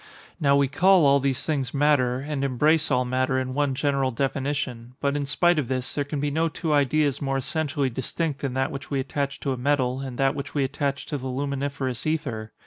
Now we call all these things matter, and embrace all matter in one general definition; but in spite of this, there can be no two ideas more essentially distinct than that which we attach to a metal, and that which we attach to the luminiferous ether.